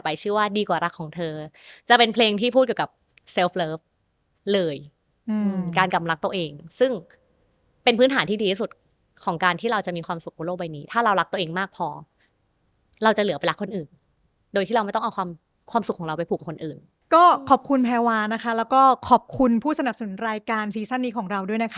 แล้วเราก็ได้รับคำคอมเม้นต์เหล่านั้น